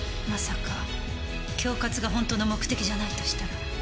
まさか恐喝が本当の目的じゃないとしたら。